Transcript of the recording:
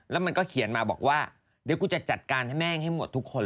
แล้วมันก็เขียนมาบอกว่าเดี๋ยวกูจะจัดการให้แม่งให้หมดทุกคนเลย